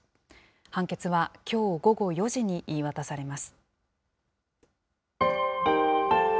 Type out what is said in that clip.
判決はきょう午後４時に言い渡されます。